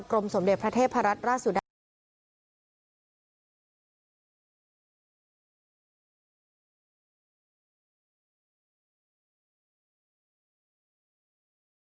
กรมสมเด็จพระเทพรัตน์ราชสุดัตริย์